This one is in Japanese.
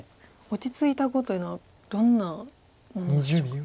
落ち着いた碁というのはどんなものなんでしょうか。